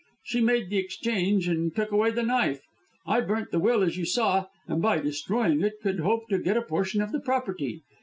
She made the exchange and took away the knife. I burnt the will as you saw, and by destroying it could hope to get a portion of the property.